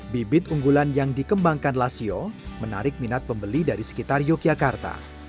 bibit unggulan yang dikembangkan lasio menarik minat pembeli dari sekitar yogyakarta